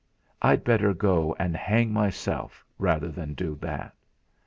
I'd better go and hang myself rather than do it!'